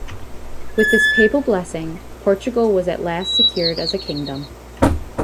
With this papal blessing, Portugal was at last secured as a kingdom.